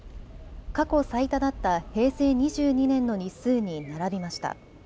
過去最多だった平成２２年の日数に並びました。